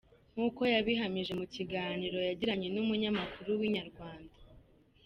Nk’uko yabihamije mu kiganiro yagiranye n’umunyamakuru wa Inyarwanda.